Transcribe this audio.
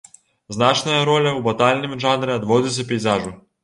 Значная роля ў батальным жанры адводзіцца пейзажу.